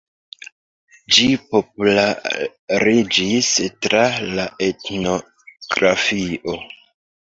Ĝi populariĝis tra la etnografio.